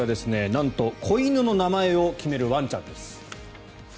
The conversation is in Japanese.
なんと子犬の名前を決めるワンちゃんです。